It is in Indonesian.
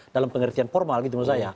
dalam pengertian formal gitu menurut saya